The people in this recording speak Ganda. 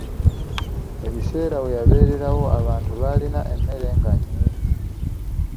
Ebiseera ye weyabeererawo abantu baalina emmere nga nnyingi.